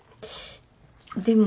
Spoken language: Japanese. でも。